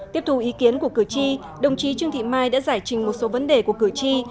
tiếp thu ý kiến của cử tri đồng chí trương thị mai đã giải trình một số vấn đề của cử tri